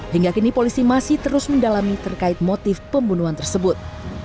hingga kini polisi masih terus mendalami terkait motif pembunuhan tersebut